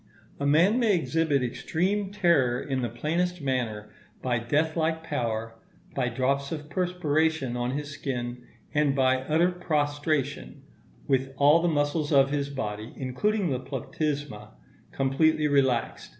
A man may exhibit extreme terror in the plainest manner by death like pallor, by drops of perspiration on his skin, and by utter prostration, with all the muscles of his body, including the platysma, completely relaxed.